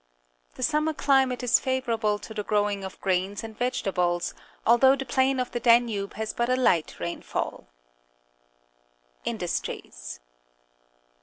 The summer climate is favourable to the growing of grains and vegetables, although the plain of the Danube has but a light rainfall. Industries.